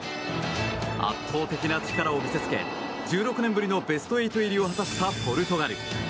圧倒的な力を見せつけ１６年ぶりのベスト８入りを果たしたポルトガル。